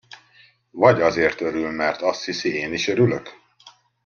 Vagy azért örül, mert azt hiszi, én is örülök?